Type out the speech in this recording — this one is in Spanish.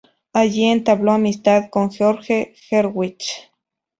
Allí entabló amistad con George Gershwin.